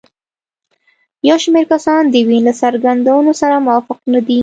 یو شمېر کسان د وین له څرګندونو سره موافق نه دي.